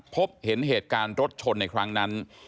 พบเห็นเหตุการณ์รถชนในครั้งนั้น